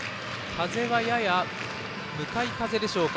風はやや向かい風でしょうか。